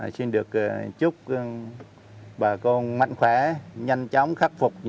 xin được chúc bà con mạnh khỏe nhanh chóng khắc phục